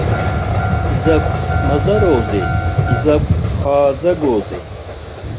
Изакә мазароузеи, изакә хааӡагоузеи!